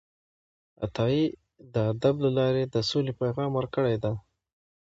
عطايي د ادب له لارې د سولې پیغام ورکړی دی